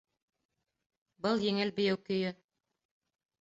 Был еңел бейеү көйө